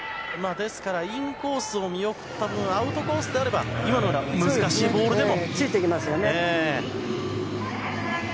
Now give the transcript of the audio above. ですからインコースを見送った分アウトコースであれば今のような難しいボールでも。